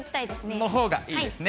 のほうがいいですね。